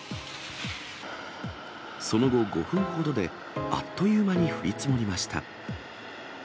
その後、５分ほどであっという間に降り積もりました。